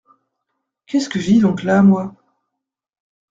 Qu'est-ce que je dis donc là, moi !